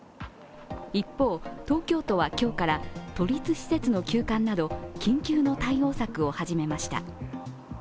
一方、東京都は今日から都立施設の休館など緊急の対応策を始めました。